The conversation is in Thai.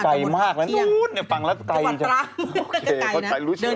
ใกล้มากนะนู้นฟังแล้วใกล้